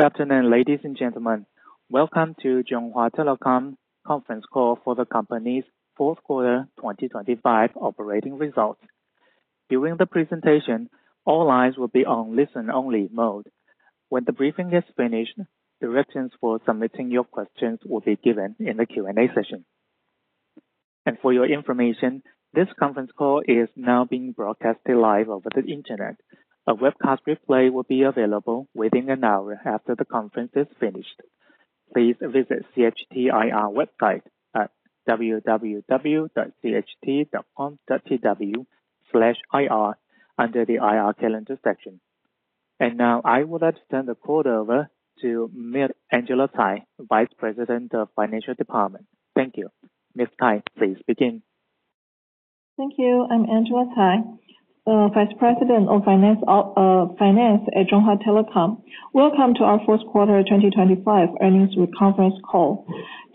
Good afternoon, ladies and gentlemen. Welcome to Chunghwa Telecom conference call for the company's fourth quarter 2025 operating results. During the presentation, all lines will be on listen-only mode. When the briefing is finished, directions for submitting your questions will be given in the Q&A session. For your information, this conference call is now being broadcasted live over the Internet. A webcast replay will be available within an hour after the conference is finished. Please visit CHT IR website at www.cht.com.tw/ir under the IR Calendar section. Now, I would like to turn the call over to Ms. Angela Tsai, Vice President of Finance. Thank you. Ms. Tsai, please begin. Thank you. I'm Angela Tsai, Vice President of Finance, Finance at Chunghwa Telecom. Welcome to our fourth quarter 2025 earnings conference call.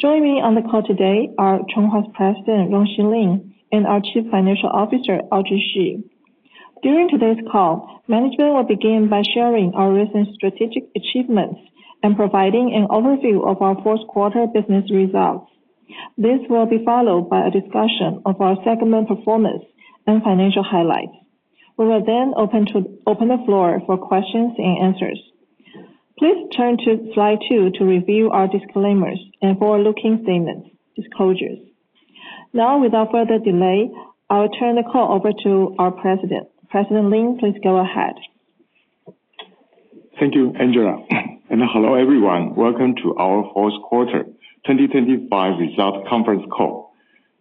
Joining me on the call today are Chunghwa's President, Rong-Shy Lin, and our Chief Financial Officer, Audrey Hsu. During today's call, management will begin by sharing our recent strategic achievements and providing an overview of our fourth quarter business results. This will be followed by a discussion of our segment performance and financial highlights. We will then open the floor for questions and answers. Please turn to slide two to review our disclaimers and forward-looking statements disclosures. Now, without further delay, I'll turn the call over to our president. President Lin, please go ahead. Thank you, Angela, and hello, everyone. Welcome to our fourth quarter 2025 results conference call.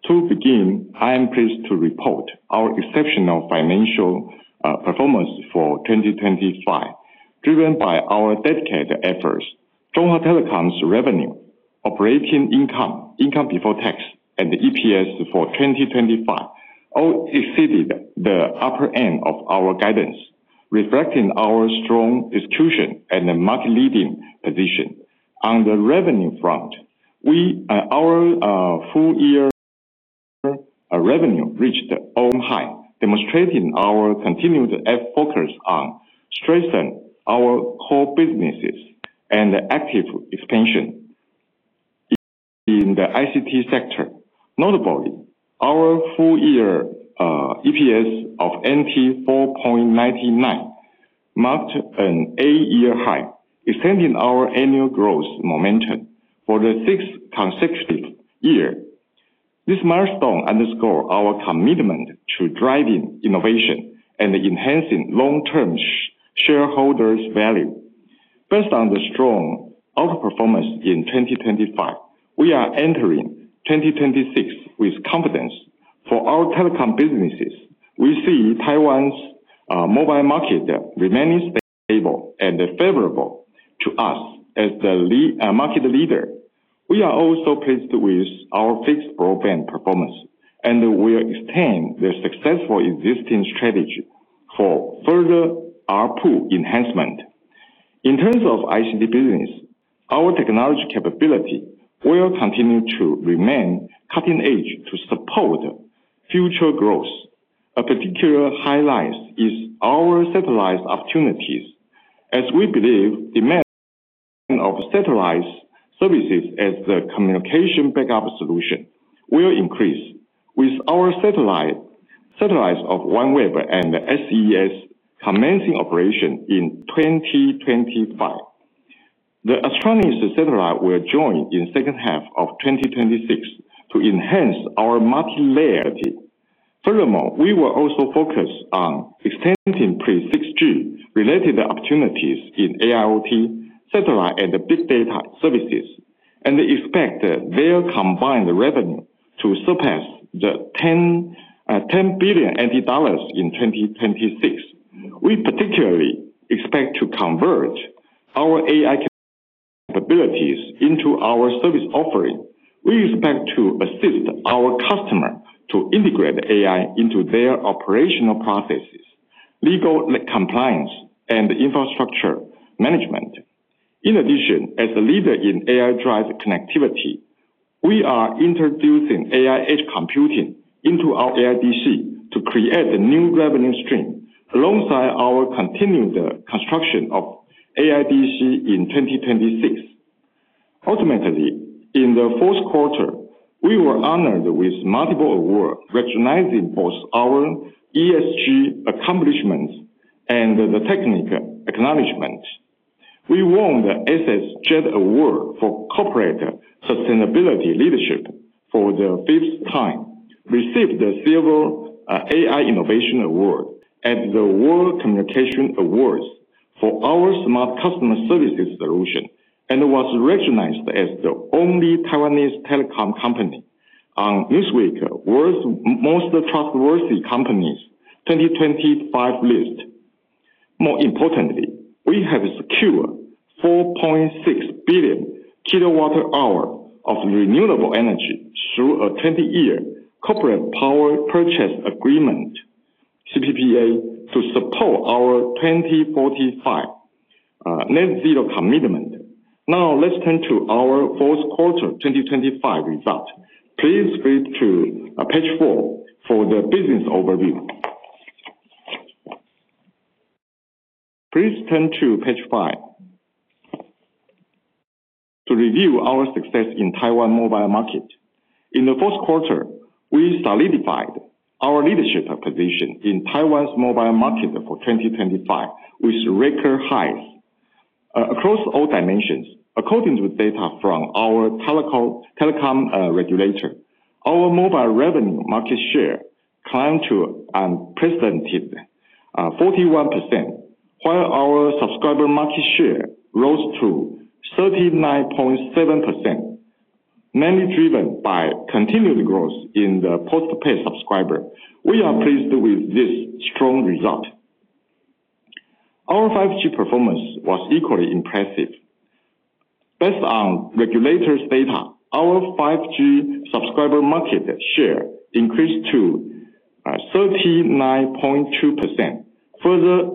To begin, I am pleased to report our exceptional financial performance for 2025. Driven by our dedicated efforts, Chunghwa Telecom's revenue, operating income, income before tax, and EPS for 2025 all exceeded the upper end of our guidance, reflecting our strong execution and the market-leading position. On the revenue front, we, our full year revenue reached an all-time high, demonstrating our continued focus on strengthening our core businesses and active expansion in the ICT sector. Notably, our full year EPS of 4.99 marked an eight-year high, extending our annual growth momentum for the sixth consecutive year. This milestone underscores our commitment to driving innovation and enhancing long-term shareholders' value. Based on the strong outperformance in 2025, we are entering 2026 with confidence. For our telecom businesses, we see Taiwan's mobile market remaining stable and favorable to us as the market leader. We are also pleased with our fixed broadband performance, and we will extend the successful existing strategy for further ARPU enhancement. In terms of ICT business, our technology capability will continue to remain cutting edge to support future growth. A particular highlight is our satellite opportunities, as we believe demand of satellite services as the communication backup solution will increase. With our satellite, satellites of OneWeb and the SES commencing operation in 2025. The Astranis satellite will join in second half of 2026 to enhance our multilayer team. Furthermore, we will also focus on extending pre-6G related opportunities in AIoT, satellite, and big data services, and expect their combined revenue to surpass 10 billion NT dollars in 2026. We particularly expect to convert our AI capabilities into our service offering. We expect to assist our customer to integrate AI into their operational processes, legal compliance, and infrastructure management. In addition, as a leader in AI-driven connectivity, we are introducing AI edge computing into our AIDC to create a new revenue stream, alongside our continued construction of AIDC in 2026. Ultimately, in the fourth quarter, we were honored with multiple awards, recognizing both our ESG accomplishments and the technical acknowledgement. We won the ESG Award for Corporate Sustainability Leadership for the fifth time, received the Silver AI Innovation Award at the World Communication Awards for our smart customer services solution, and was recognized as the only Taiwanese telecom company on this week's World's Most Trustworthy Companies 2025 list. More importantly, we have secured 4.6 billion kWh of renewable energy through a 20-year corporate power purchase agreement, CPPA, to support our 2045 net zero commitment. Now, let's turn to our fourth quarter 2025 results. Please flip to page four for the business overview. Please turn to page five. To review our success in Taiwan mobile market. In the first quarter, we solidified our leadership position in Taiwan's mobile market for 2025, with record highs across all dimensions. According to data from our telecom regulator, our mobile revenue market share climbed to unprecedented 41%, while our subscriber market share rose to 39.7%, mainly driven by continued growth in the postpaid subscriber. We are pleased with this strong result. Our 5G performance was equally impressive. Based on regulators' data, our 5G subscriber market share increased to 39.2%, further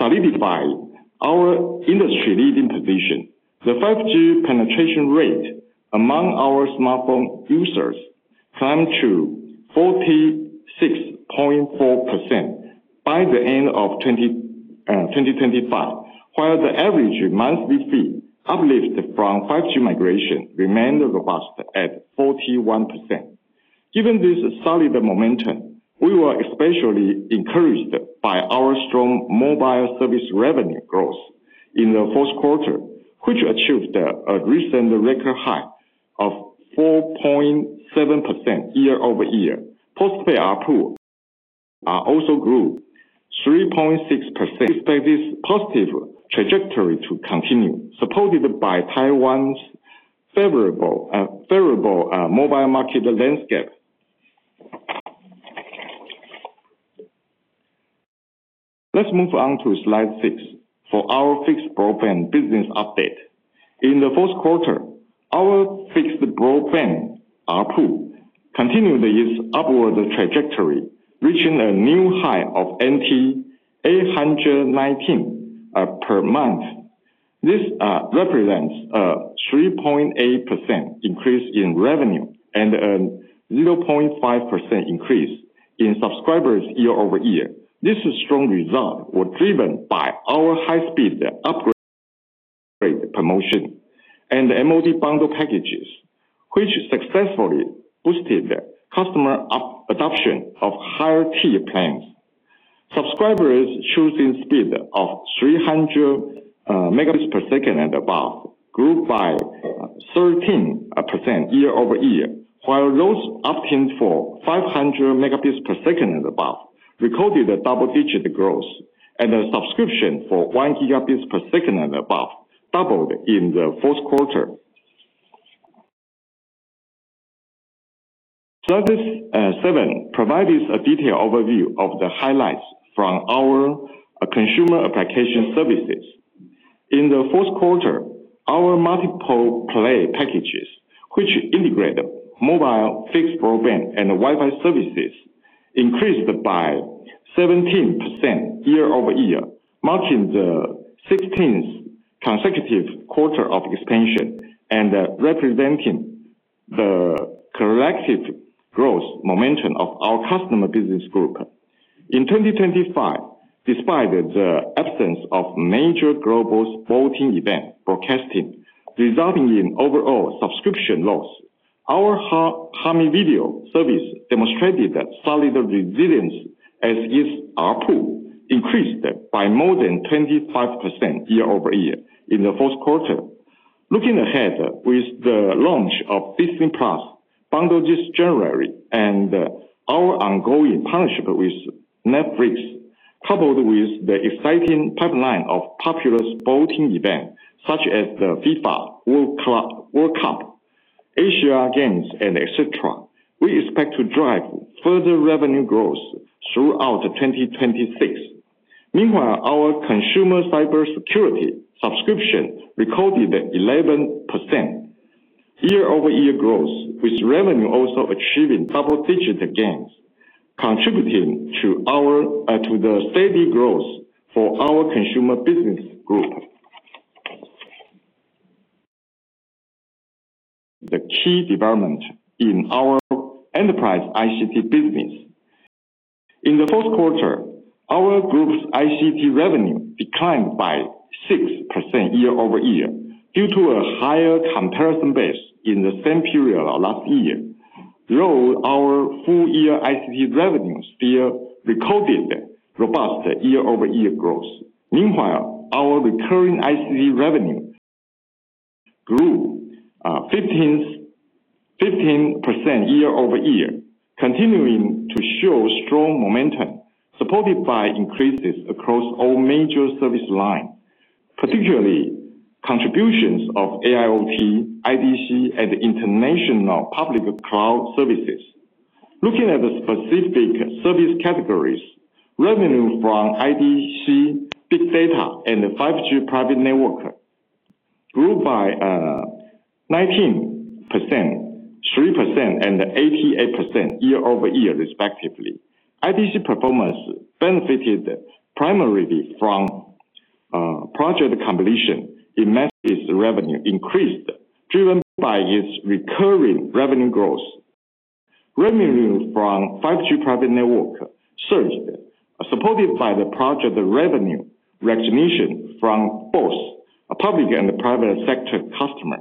solidifying our industry-leading position. The 5G penetration rate among our smartphone users climbed to 46.4% by the end of 2025, while the average monthly fee uplift from 5G migration remained robust at 41%. Given this solid momentum, we were especially encouraged by our strong mobile service revenue growth in the first quarter, which achieved a recent record high of 4.7% year-over-year. Postpaid ARPU also grew 3.6% by this positive trajectory to continue, supported by Taiwan's favorable mobile market landscape. Let's move on to slide six for our fixed broadband business update. In the first quarter, our fixed broadband ARPU continued its upward trajectory, reaching a new high of NT$819 per month. This represents a 3.8% increase in revenue and a 0.5% increase in subscribers year-over-year. This strong result was driven by our high-speed upgrade promotion and MOD bundle packages, which successfully boosted the customer adoption of higher tier plans. Subscribers choosing speed of 300 Mbps and above grew by 13% year-over-year, while those opting for 500 Mbps and above recorded a double-digit growth, and the subscription for 1 Gbps and above doubled in the fourth quarter. Slide seven provides a detailed overview of the highlights from our consumer application services. In the fourth quarter, our multiple play packages, which integrate mobile fixed broadband and Wi-Fi services, increased by 17% year-over-year, marking the 16th consecutive quarter of expansion and representing the collective growth momentum of our customer business group. In 2025, despite the absence of major global sporting event broadcasting, resulting in overall subscription loss, our Hami Video service demonstrated that solid resilience as its ARPU increased by more than 25% year-over-year in the first quarter. Looking ahead, with the launch of Disney+ bundled this January and our ongoing partnership with Netflix, coupled with the exciting pipeline of popular sporting events such as the FIFA World Cup, World Cup, Asian Games, and etc., we expect to drive further revenue growth throughout 2026. Meanwhile, our consumer cybersecurity subscription recorded 11% year-over-year growth, with revenue also achieving double-digit gains, contributing to our to the steady growth for our consumer business group. The key development in our enterprise ICT business. In the fourth quarter, our group's ICT revenue declined by 6% year-over-year due to a higher comparison base in the same period of last year, though our full year ICT revenues still recorded robust year-over-year growth. Meanwhile, our recurring ICT revenue grew 15, 15% year-over-year, continuing to show strong momentum, supported by increases across all major service lines, particularly contributions of AIoT, IDC, and international public cloud services. Looking at the specific service categories, revenue from IDC, big data, and the 5G private network grew by 19%, 3%, and 88% year-over-year, respectively. IDC performance benefited primarily from project completion in message revenue increased, driven by its recurring revenue growth. Revenue from 5G private network surged, supported by the project revenue recognition from both public and private sector customer.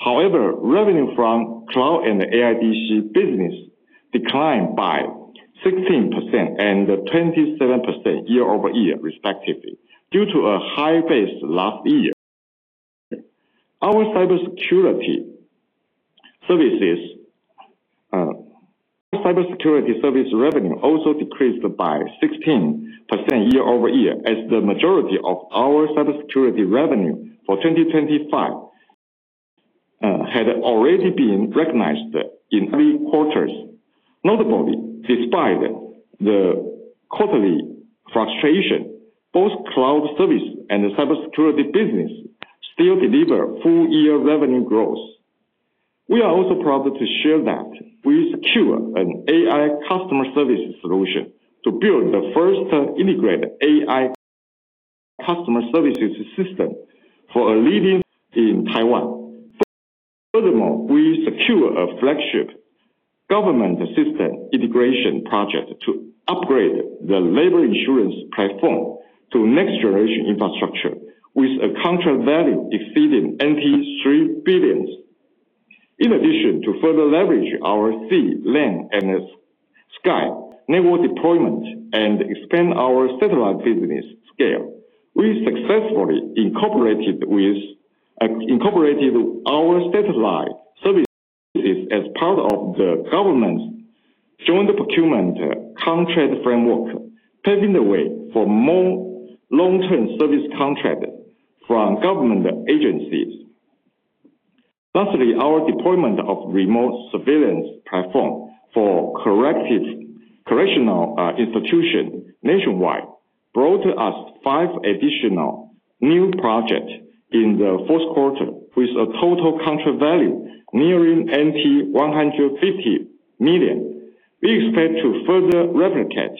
However, revenue from cloud and AIDC business declined by 16% and 27% year-over-year, respectively, due to a high base last year. Our cybersecurity services, cybersecurity service revenue also decreased by 16% year-over-year, as the majority of our cybersecurity revenue for 2025 had already been recognized in three quarters. Notably, despite the quarterly frustration, both cloud service and the cybersecurity business still deliver full year revenue growth. We are also proud to share that we secure an AI customer service solution to build the first integrated AI customer services system for a leading in Taiwan. Furthermore, we secure a flagship government system integration project to upgrade the labor insurance platform to next generation infrastructure, with a contract value exceeding 3 billion. In addition, to further leverage our sea, land, and sky network deployment and expand our satellite business scale, we successfully incorporated our satellite services as part of the government's joint procurement contract framework, paving the way for more long-term service contract from government agencies. Lastly, our deployment of remote surveillance platform for correctional institution nationwide brought us five additional new projects in the fourth quarter, with a total contract value nearing 150 million. We expect to further replicate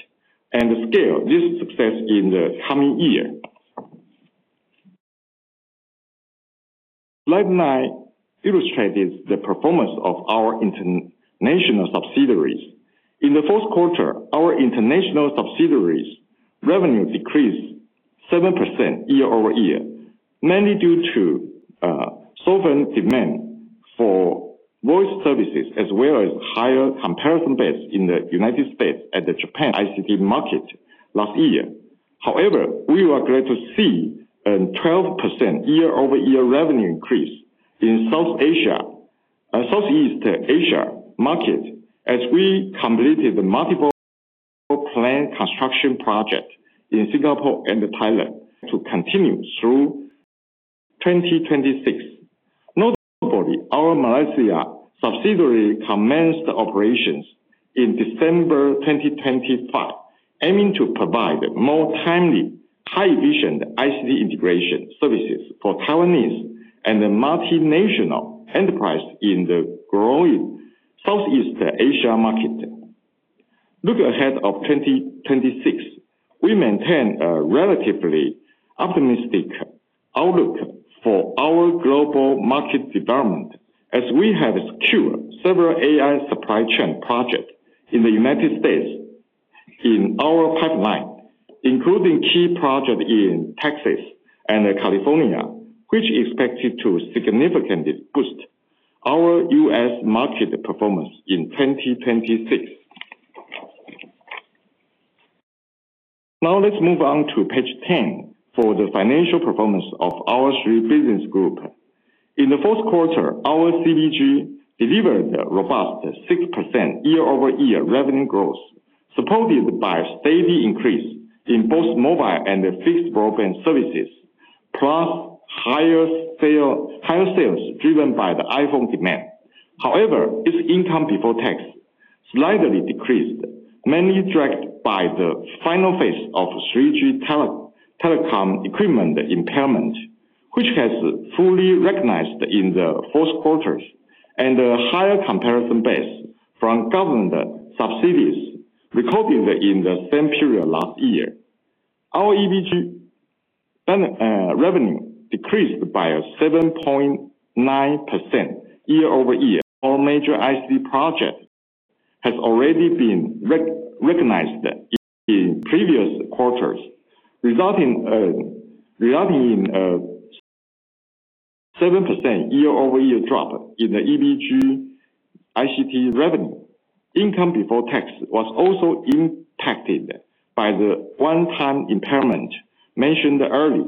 and scale this success in the coming year. Slide nine illustrates the performance of our international subsidiaries. In the fourth quarter, our international subsidiaries revenue decreased 7% year-over-year, mainly due to sovereign demand for voice services, as well as higher comparison base in the United States and the Japan ICT market last year. However, we are glad to see a 12% year-over-year revenue increase in South Asia, Southeast Asia market as we completed the multiple planned construction project in Singapore and Thailand to continue through 2026. Notably, our Malaysia subsidiary commenced operations in December 2025, aiming to provide more timely, high vision ICT integration services for Taiwanese and the multinational enterprise in the growing Southeast Asia market. Looking ahead of 2026, we maintain a relatively optimistic outlook for our global market development, as we have secured several AI supply chain projects in the United States in our pipeline, including key project in Texas and California, which is expected to significantly boost our U.S. market performance in 2026. Now let's move on to page 10 for the financial performance of our three business group. In the fourth quarter, our CDG delivered a robust 6% year-over-year revenue growth, supported by a steady increase in both mobile and fixed broadband services, plus higher sale, higher sales driven by the iPhone demand. However, its income before tax slightly decreased, mainly dragged by the final phase of 3G tele- telecom equipment impairment, which has fully recognized in the fourth quarters and a higher comparison base from government subsidies recorded in the same period last year. Our EBG, and, revenue decreased by 7.9% year-over-year. All major ICT projects has already been rec- recognized in previous quarters, resulting, resulting in a 7% year-over-year drop in the EBG ICT revenue. Income before tax was also impacted by the one-time impairment mentioned earlier.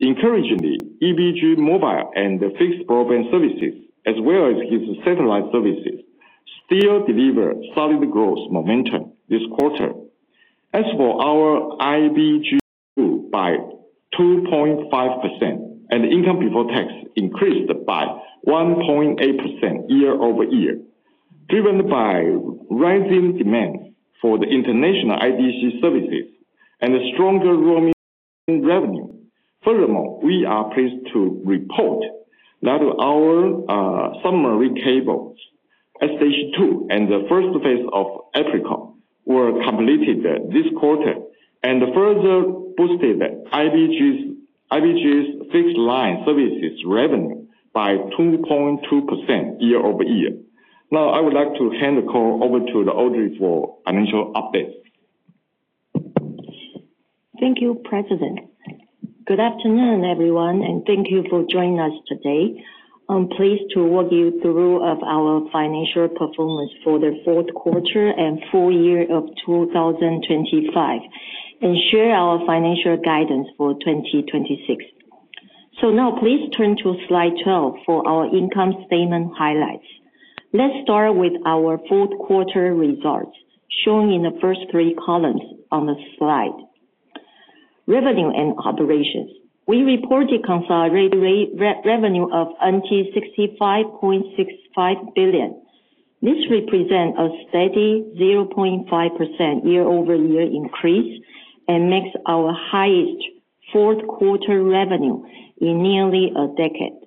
Encouragingly, EBG mobile and the fixed broadband services, as well as its satellite services, still deliver solid growth momentum this quarter. As for our IBG by 2.5%, and income before tax increased by 1.8% year-over-year, driven by rising demand for the international IDC services and a stronger roaming revenue. Furthermore, we are pleased to report that our submarine cables, SJC2, and the first phase of Apricot... were completed this quarter and further boosted IBG's fixed line services revenue by 2.2% year-over-year. Now, I would like to hand the call over to Audrey for financial updates. Thank you, President. Good afternoon, everyone, and thank you for joining us today. I'm pleased to walk you through of our financial performance for the fourth quarter and full year of 2025, and share our financial guidance for 2026. So now please turn to slide 12 for our income statement highlights. Let's start with our fourth quarter results, shown in the first three columns on the slide. Revenue and operations. We reported consolidated revenue of 65.65 billion. This represent a steady 0.5% year-over-year increase, and makes our highest fourth quarter revenue in nearly a decade.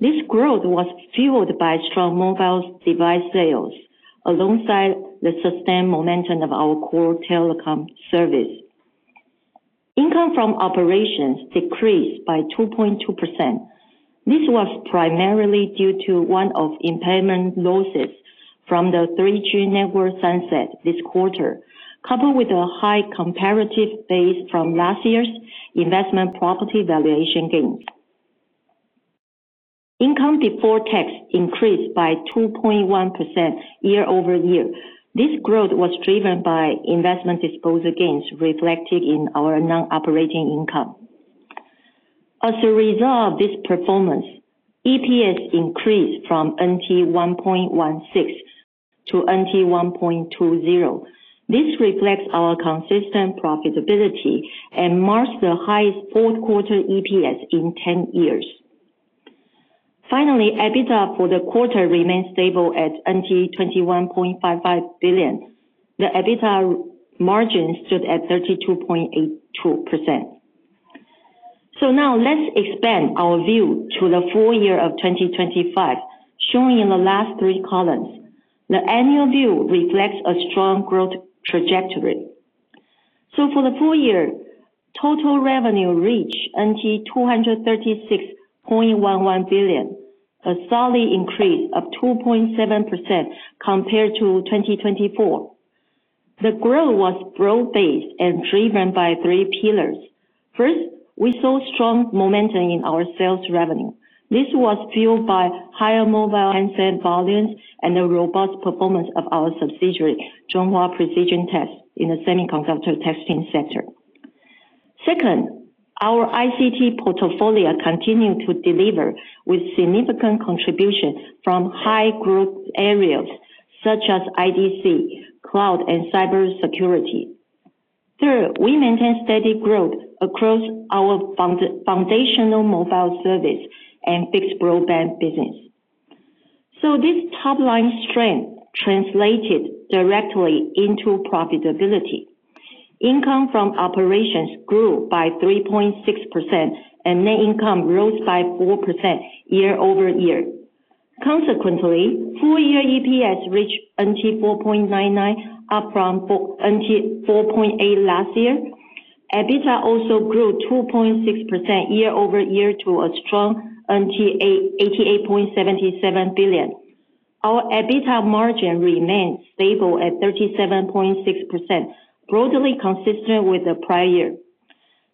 This growth was fueled by strong mobile device sales, alongside the sustained momentum of our core telecom service. Income from operations decreased by 2.2%. This was primarily due to one-off impairment losses from the 3G network sunset this quarter, coupled with a high comparative base from last year's investment property valuation gain. Income before tax increased by 2.1% year-over-year. This growth was driven by investment disposal gains reflected in our non-operating income. As a result of this performance, EPS increased from 1.16 - 1.20. This reflects our consistent profitability and marks the highest fourth quarter EPS in 10 years. Finally, EBITDA for the quarter remained stable at 21.55 billion. The EBITDA margin stood at 32.82%. So now let's expand our view to the full year of 2025, shown in the last three columns. The annual view reflects a strong growth trajectory. So for the full year, total revenue reached 236.11 billion, a solid increase of 2.7% compared to 2024. The growth was broad-based and driven by three pillars. First, we saw strong momentum in our sales revenue. This was fueled by higher mobile handset volumes and the robust performance of our subsidiary, Chunghwa Precision Tests, in the semiconductor testing sector. Second, our ICT portfolio continued to deliver with significant contribution from high growth areas such as IDC, cloud, and cybersecurity. Third, we maintain steady growth across our foundational mobile service and fixed broadband business. So this top-line strength translated directly into profitability. Income from operations grew by 3.6%, and net income rose by 4% year-over-year. Consequently, full year EPS reached 4.99, up from 4.8 last year. EBITDA also grew 2.6% year-over-year to a strong 88.77 billion. Our EBITDA margin remained stable at 37.6%, broadly consistent with the prior year.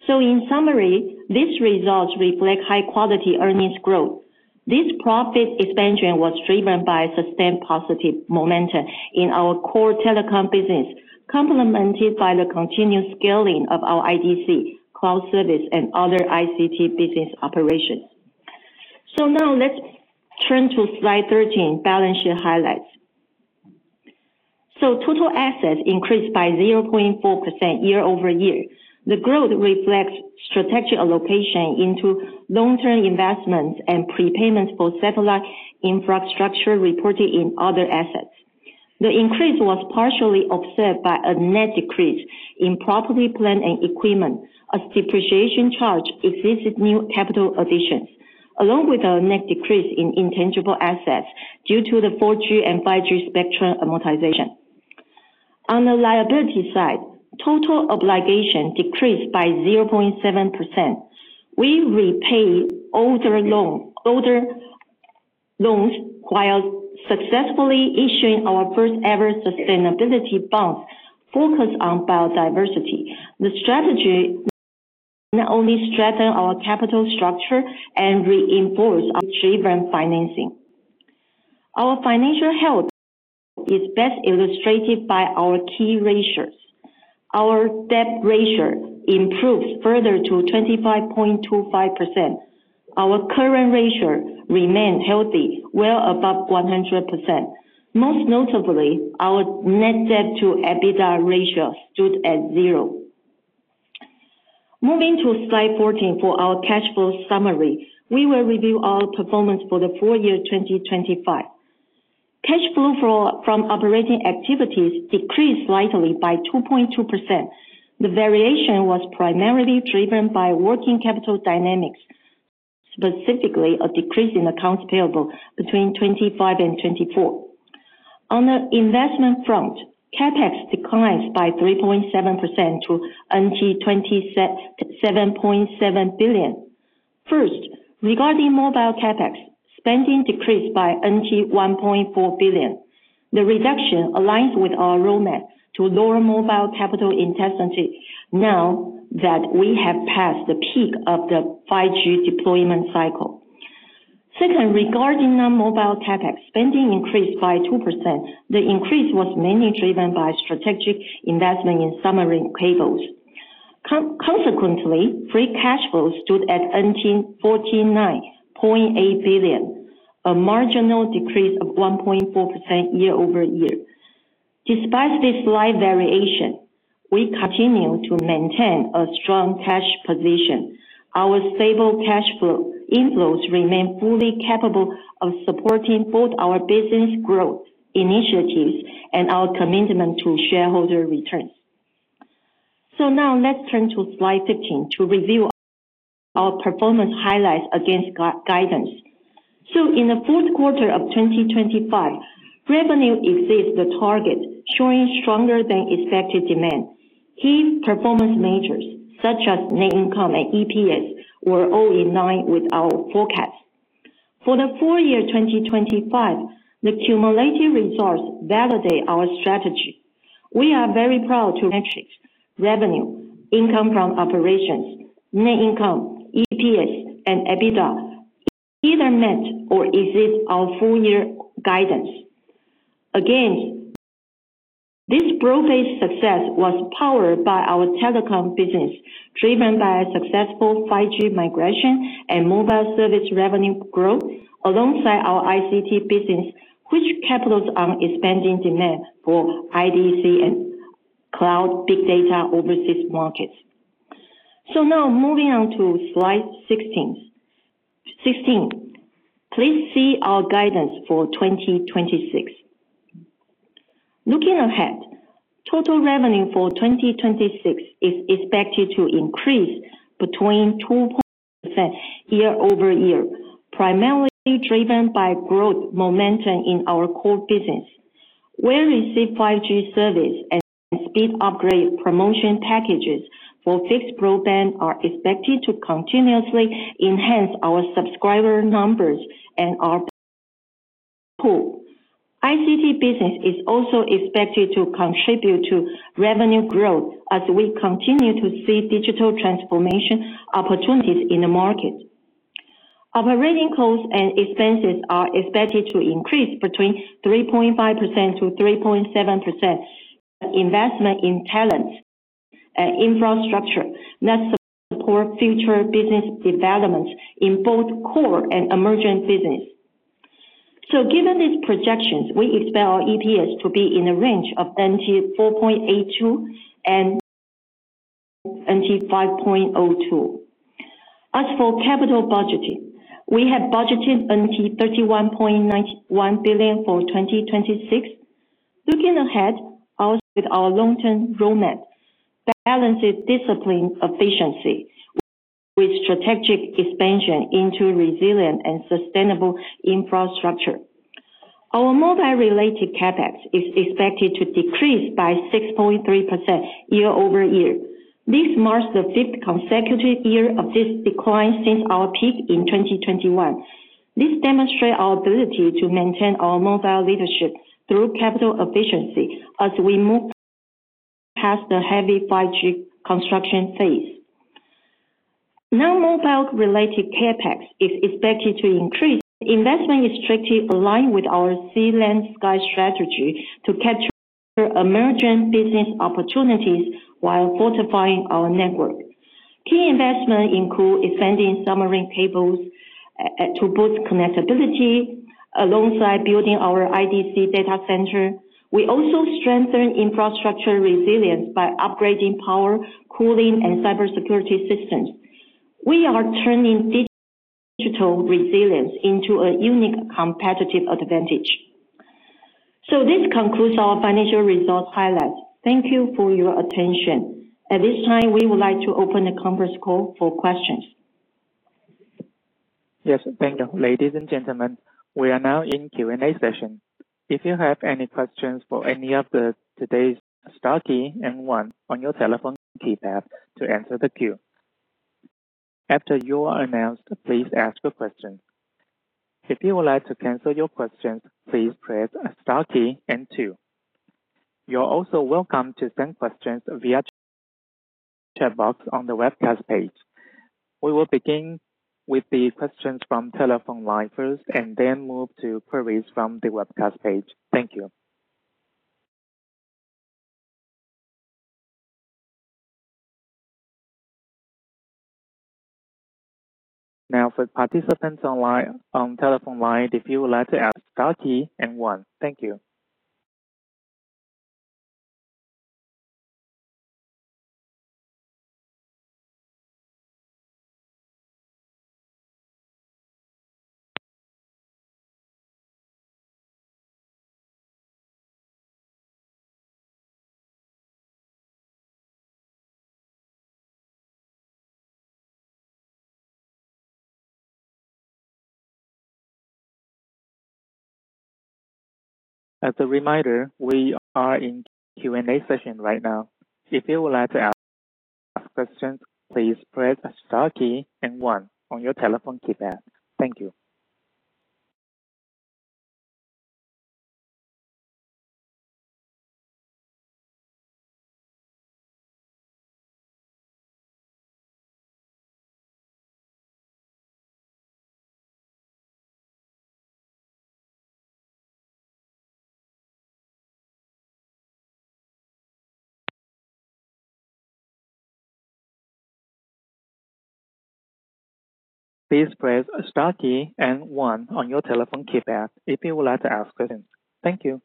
So in summary, these results reflect high-quality earnings growth. This profit expansion was driven by sustained positive momentum in our core telecom business, complemented by the continued scaling of our IDC, cloud service, and other ICT business operations. So now let's turn to slide 13, balance sheet highlights. So total assets increased by 0.4% year-over-year. The growth reflects strategic allocation into long-term investments and prepayments for satellite infrastructure reported in other assets. The increase was partially offset by a net decrease in property, plant, and equipment, as depreciation charge exceeded new capital additions, along with a net decrease in intangible assets due to the 4G and 5G spectrum amortization. On the liability side, total obligation decreased by 0.7%. We repay older loan, older loans, while successfully issuing our first-ever sustainability bonds focused on biodiversity. The strategy not only strengthen our capital structure and reinforce our driven financing. Our financial health is best illustrated by our key ratios. Our debt ratio improves further to 25.25%. Our current ratio remained healthy, well above 100%. Most notably, our net debt to EBITDA ratio stood at 0. Moving to slide 14 for our cash flow summary. We will review our performance for the full year 2025. Cash flow from operating activities decreased slightly by 2.2%. The variation was primarily driven by working capital dynamics, specifically, a decrease in accounts payable between 2025 and 2024. On the investment front, CapEx declines by 3.7% to 27.7 billion. First, regarding non-mobile CapEx, spending decreased by 1.4 billion. The reduction aligns with our roadmap to lower mobile capital intensity now that we have passed the peak of the 5G deployment cycle. Second, regarding the non-mobile CapEx, spending increased by 2%. The increase was mainly driven by strategic investment in submarine cables. Consequently, free cash flow stood at 49.8 billion, a marginal decrease of 1.4% year over year. Despite this slight variation, we continue to maintain a strong cash position. Our stable cash flow inflows remain fully capable of supporting both our business growth initiatives and our commitment to shareholder returns. So now let's turn to slide 15 to review our performance highlights against guidance. So in the fourth quarter of 2025, revenue exceeds the target, showing stronger than expected demand. Key performance measures, such as net income and EPS, were all in line with our forecast. For the full year 2025, the cumulative results validate our strategy. We are very proud to metrics, revenue, income from operations, net income, EPS, and EBITDA, either met or exceeds our full year guidance. Again, this broad-based success was powered by our telecom business, driven by a successful 5G migration and mobile service revenue growth, alongside our ICT business, which capitalizes on expanding demand for IDC and cloud big data overseas markets. So now moving on to slide 16, 16. Please see our guidance for 2026. Looking ahead, total revenue for 2026 is expected to increase between 2% year-over-year, primarily driven by growth momentum in our core business. Where we see 5G service and speed upgrade promotion packages for fixed broadband are expected to continuously enhance our subscriber numbers and our pool. ICT business is also expected to contribute to revenue growth as we continue to see digital transformation opportunities in the market. Operating costs and expenses are expected to increase between 3.5%-3.7%, investment in talent and infrastructure that support future business development in both core and emerging business. So given these projections, we expect our EPS to be in the range of NT$4.82-NT$5.02. As for capital budgeting, we have budgeted 31.91 billion for 2026. Looking ahead, our with our long-term roadmap, balances discipline efficiency with strategic expansion into resilient and sustainable infrastructure. Our mobile-related CapEx is expected to decrease by 6.3% year-over-year. This marks the fifth consecutive year of this decline since our peak in 2021. This demonstrate our ability to maintain our mobile leadership through capital efficiency as we move past the heavy 5G construction phase. Non-mobile related CapEx is expected to increase. Investment is strictly aligned with our sea, land, sky strategy to capture emerging business opportunities while fortifying our network. Key investment include expanding submarine cables to boost connectivity, alongside building our IDC data center. We also strengthen infrastructure resilience by upgrading power, cooling, and cybersecurity systems. We are turning digital resilience into a unique competitive advantage. This concludes our financial results highlights. Thank you for your attention. At this time, we would like to open the conference call for questions. Yes, thank you. Ladies and gentlemen, we are now in Q&A session. If you have any questions for any of the today's, star key and one on your telephone keypad to enter the queue. After you are announced, please ask a question. If you would like to cancel your questions, please press star key and two. You're also welcome to send questions via chat box on the webcast page. We will begin with the questions from telephone line first, and then move to queries from the webcast page. Thank you. Now, for participants online, on telephone line, if you would like to ask, star key and one. Thank you. As a reminder, we are in Q&A session right now. If you would like to ask questions, please press star key and one on your telephone keypad. Thank you. Please press star key and one on your telephone keypad if you would like to ask questions. Thank you.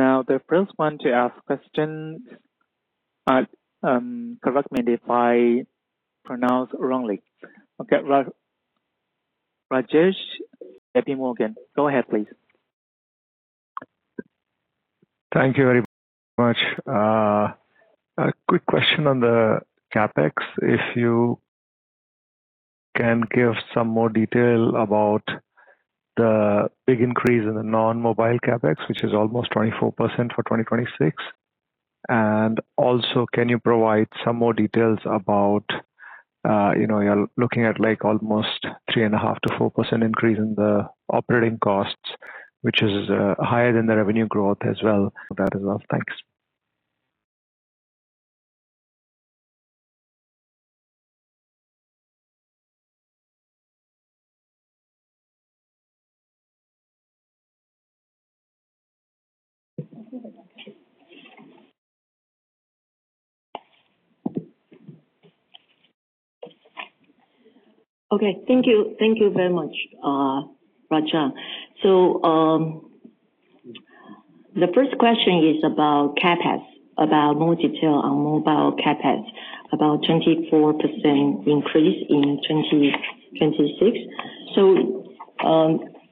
Now, the first one to ask questions, correct me if I pronounce wrongly. Okay, Rajesh at J.P. Morgan, go ahead, please. Thank you very much. A quick question on the CapEx. If you can give some more detail about the big increase in the non-mobile CapEx, which is almost 24% for 2026. And also, can you provide some more details about, you know, you're looking at like almost 3.5%-4% increase in the operating costs, which is higher than the revenue growth as well. That as well. Thanks. Okay. Thank you. Thank you very much, Raja. So, the first question is about CapEx, about more detail on non-mobile CapEx, about 24% increase in 2026. So,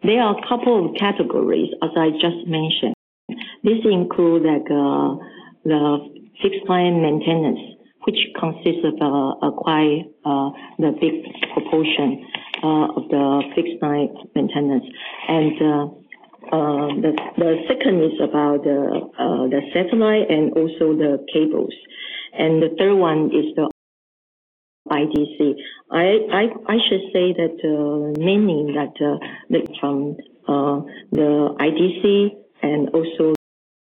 there are a couple of categories, as I just mentioned. This include, like, the fixed line maintenance, which consists of, quite, the big proportion, of the fixed line maintenance. And, the second is about the, the satellite and also the cables. And the third one is the IDC. I should say that, mainly that, from, the IDC and also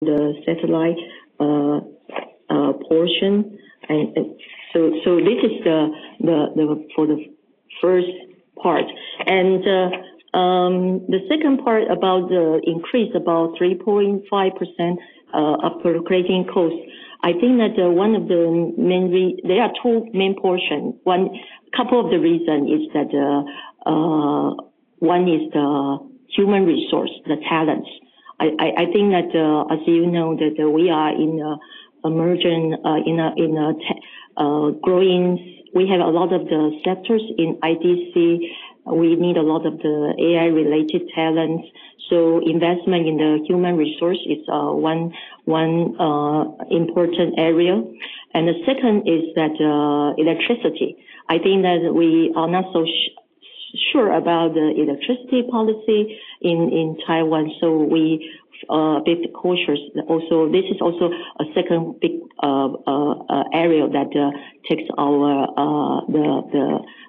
the satellite, portion. And so, this is the, for the first part. And, the second part about the increase, about 3.5%, operating costs. I think that one of the main. There are two main portions. One, couple of the reason is that one is the human resource, the talents. I think that, as you know, that we are in emerging in a growing. We have a lot of the sectors in IDC. We need a lot of the AI-related talents, so investment in the human resource is one important area. And the second is that electricity. I think that we are not so sure about the electricity policy in Taiwan, so we bit cautious. Also, this is also a second big area that takes our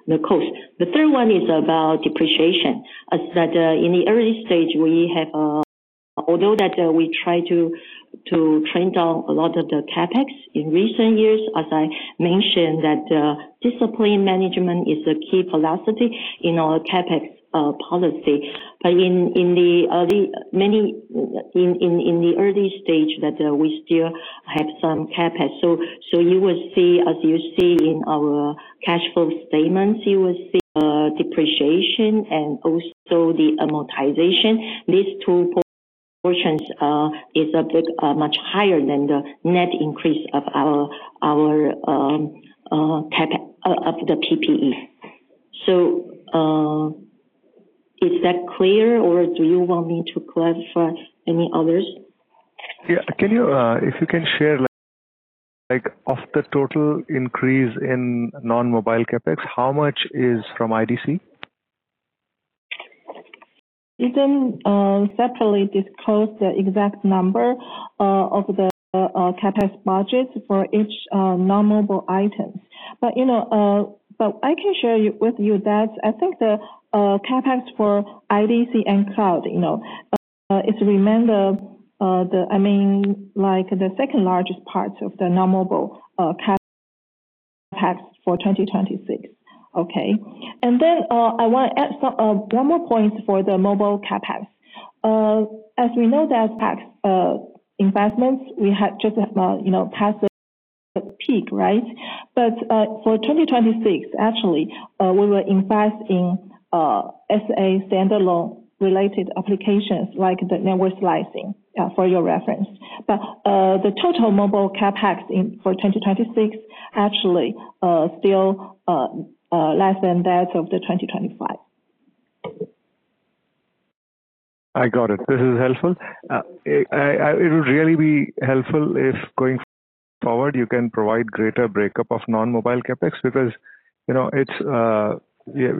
the cost. The third one is about depreciation. As that, in the early stage, we have, although that, we try to trend down a lot of the CapEx in recent years, as I mentioned, that discipline management is a key philosophy in our CapEx policy. But in the early many, in the early stage that we still have some CapEx. So you will see, as you see in our cash flow statements, you will see depreciation and also the amortization. These two portions is a bit much higher than the net increase of our CapEx of the PPE. So is that clear, or do you want me to clarify any others? Yeah. Can you, if you can share, like, of the total increase in non-mobile CapEx, how much is from IDC? We don't separately disclose the exact number of the CapEx budget for each non-mobile item. But, you know, but I can share with you that I think the CapEx for IDC and cloud, you know, it's remained, the, I mean, like the second-largest parts of the non-mobile CapEx.... CapEx for 2026. Okay. And then, I want to add some, one more point for the non-mobile CapEx. As we know that CapEx investments, we have just, you know, passed the peak, right? But, for 2026, actually, we will invest in, SA standalone related applications like the network slicing, for your reference. But, the total non-mobile CapEx in, for 2026, actually, still, less than that of the 2025. I got it. This is helpful. I, it would really be helpful if going forward, you can provide greater breakup of non-mobile CapEx because, you know, it's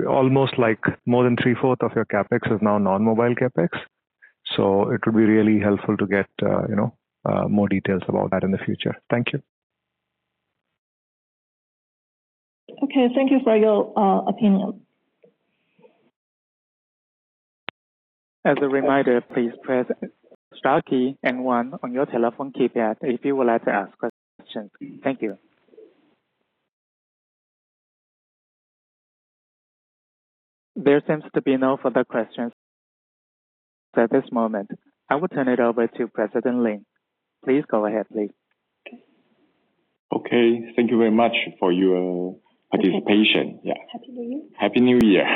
almost like more than 3/4 of your CapEx is now non-mobile CapEx. So it would really be helpful to get more details about that in the future. Thank you. Okay. Thank you for your opinion. As a reminder, please press star key and one on your telephone keypad if you would like to ask questions. Thank you. There seems to be no further questions at this moment. I will turn it over to President Lin. Please go ahead, please. Okay. Thank you very much for your participation. Yeah. Happy New Year. Happy New Year.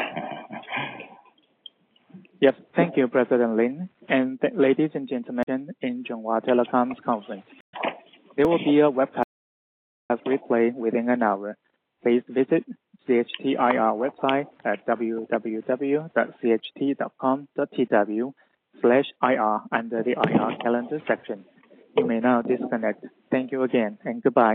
Yes. Thank you, President Lin, and ladies and gentlemen in Chunghwa Telecom's conference. There will be a webcast replay within an hour. Please visit CHT IR website at www.cht.com.tw/ir under the IR Calendar section. You may now disconnect. Thank you again, and goodbye.